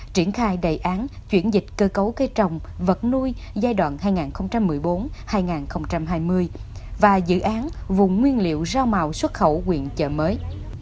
triển khai đề án chuyển dịch cơ cấu cây trồng vật nuôi giai đoạn hai nghìn một mươi bốn hai nghìn hai mươi và dự án vùng nguyên liệu rau màu xuất khẩu quyện chợ mới